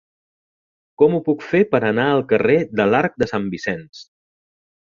Com ho puc fer per anar al carrer de l'Arc de Sant Vicenç?